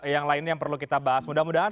yang lainnya yang perlu kita bahas mudah mudahan